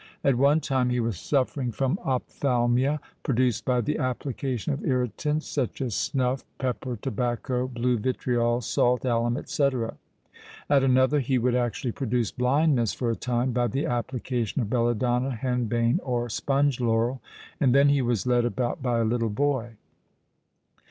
At one time he was suffering from ophthalmia, produced by the application of irritants—such as snuff, pepper, tobacco, blue vitriol, salt, alum, &c. At another he would actually produce blindness for a time by the application of belladonna, henbane, or sponge laurel; and then he was led about by a little boy.